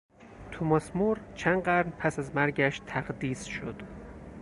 توماس مور چند قرن پس از مرگش تقدیس شد.